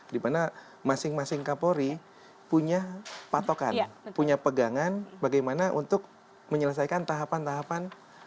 dimana masing masing kapolri punya patokan punya pegangan bagaimana untuk menyelesaikan tahapan tahapan